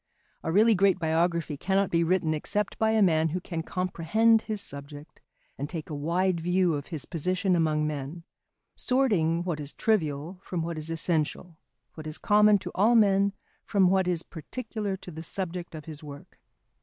A really great biography cannot be written except by a man who can comprehend his subject and take a wide view of his position among men, sorting what is trivial from what is essential, what is common to all men from what is particular to the subject of his work.